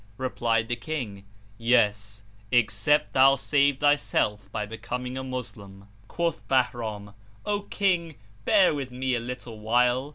Replied the King, "Yes, except thou save thyself by becoming a Moslem." Quoth Bahram, "O King, bear with me a little while!"